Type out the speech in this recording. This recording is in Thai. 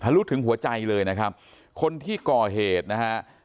รู้ถึงหัวใจเลยนะครับคนที่ก่อเหตุนะฮะ